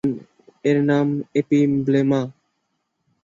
এর নাম এপিব্লেমা।